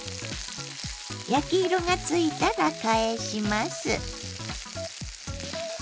焼き色がついたら返します。